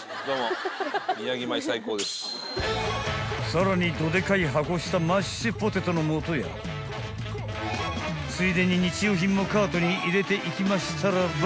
［さらにドでかい箱したマッシュポテトのもとやついでに日用品もカートに入れていきましたらば］